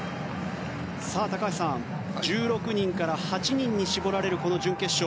さあ、高橋さん１６人から８人に絞られるこの準決勝。